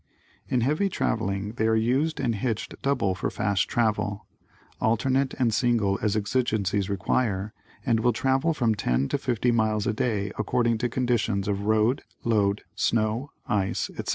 In heavy traveling they are used and hitched double for fast travel, alternate and single as exigencies require and will travel from 10 to 50 miles a day according to conditions of road, load, snow, ice, etc.